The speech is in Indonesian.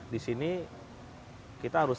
disini kita harus